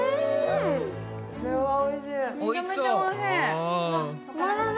おいしそう。